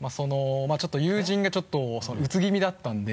ちょっと友人がうつ気味だったんで。